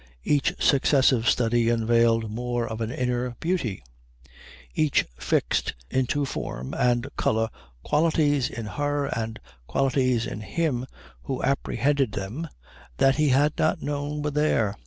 Each successive study unveiled more of an inner beauty. Each fixed into form and colour qualities in her and qualities in him who apprehended them that he had not known were there.